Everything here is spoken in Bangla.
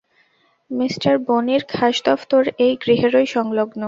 মি বনীর খাস দফতর এই গৃহেরই সংলগ্ন।